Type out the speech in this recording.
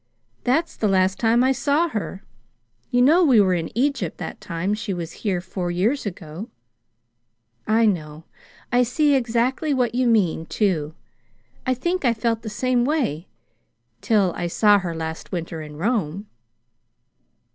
That's the last time I saw her. You know we were in Egypt that time she was here four years ago." "I know. I see exactly what you mean, too. I think I felt the same way till I saw her last winter in Rome."